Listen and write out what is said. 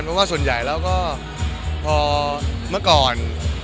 เพราะว่าส่วนใหญ่แล้วก็พอเมื่อก่อน